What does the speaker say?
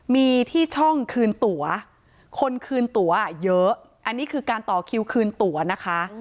มีที่ช่องคืนตั๋วคนคืนตัวเยอะอันนี้คือการต่อคิวคืนตัวนะคะ